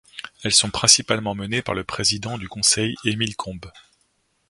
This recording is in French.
Elles sont principalement menées par le président du Conseil Émile Combes.